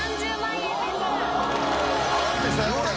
上がってきたよ